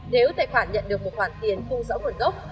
nếu tài khoản nhận được một khoản tiền không rõ nguồn gốc